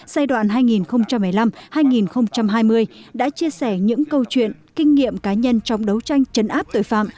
giai đoạn hai nghìn một mươi năm hai nghìn hai mươi đã chia sẻ những câu chuyện kinh nghiệm cá nhân trong đấu tranh chấn áp tội phạm